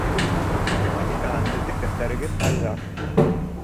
Математиканан һеҙҙең дәфтәрегеҙ ҡайҙа?